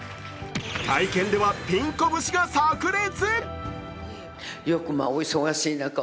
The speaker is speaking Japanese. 会見ではピン子節がさく裂！